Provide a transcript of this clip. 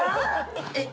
えっ？